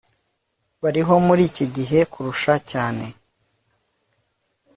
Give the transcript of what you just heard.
bariho muri iki gihe kurusha cyane